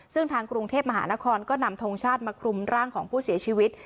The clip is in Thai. ซึ่งทางกรุงเทพมหานครก็นำทงชาติมาคลุมร่างของผู้เสียชีวิต